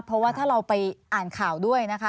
เพราะว่าถ้าเราไปอ่านข่าวด้วยนะคะ